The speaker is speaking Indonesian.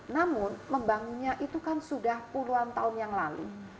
namun membangunnya itu kan sudah puluhan tahun yang lalu